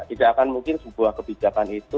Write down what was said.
tidak akan mungkin sebuah kebijakan itu